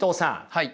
はい。